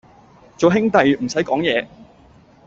做兄弟唔使講嘢